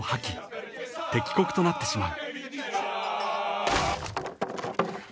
［敵国となってしまう］